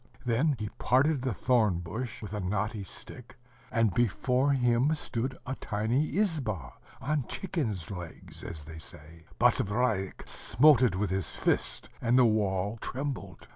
Then he parted the thorn bush with a knotty stick, and before him stood a tiny izba, on chicken's legs, as they say. Basavriuk smote it with his fist, and the wall trembled.